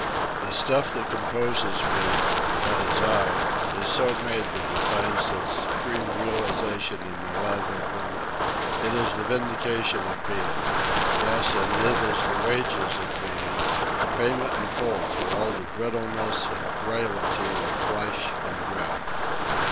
The stuff that composes me, that is I, is so made that it finds its supreme realization in the love of woman. It is the vindication of being. Yes, and it is the wages of being, the payment in full for all the brittleness and frailty of flesh and breath.